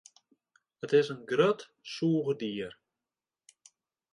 It is in grut sûchdier.